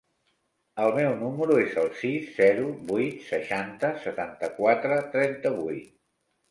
El meu número es el sis, zero, vuit, seixanta, setanta-quatre, trenta-vuit.